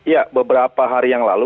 ya beberapa hari yang lalu